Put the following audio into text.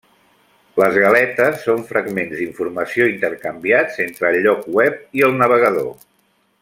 Les galetes són fragments d'informació intercanviats entre el lloc web i el navegador.